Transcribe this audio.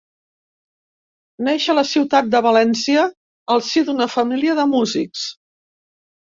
Naix a la ciutat de València al si d'una família de músics.